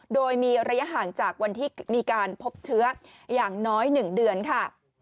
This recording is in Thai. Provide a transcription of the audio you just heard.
โดยมีระยะห่างจากวันที่มีการพบเชื้ออย่างน้อย๑เดือนค่ะ